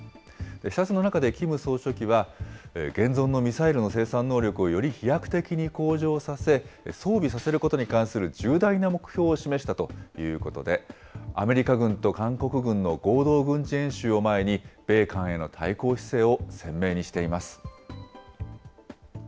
視察の中でキム総書記は、現存のミサイルの生産能力をより飛躍的に向上させ、装備させることに関する重大な目標を示したということで、アメリカ軍と韓国軍の合同軍事演習を前に、米韓への対抗姿勢を鮮明にしています。